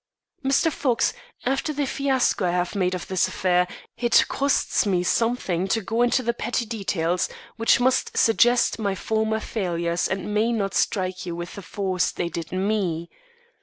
"Mr. Fox, after the fiasco I have made of this affair, it costs me something to go into petty details which must suggest my former failures and may not strike you with the force they did me.